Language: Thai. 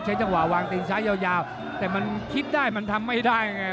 จังหวะวางตีนซ้ายยาวแต่มันคิดได้มันทำไม่ได้ไง